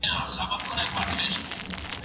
زه اوس پاکوالي ساتم!؟